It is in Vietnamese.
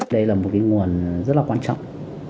đây là một nguồn rất là quan trọng